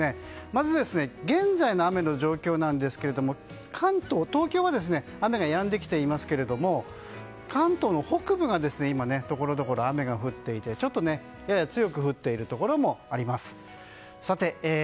まず、現在の雨の状況なんですが東京は雨がやんできていますけども関東の北部が今ところどころ雨が降っていてやや強く降っているところもあります。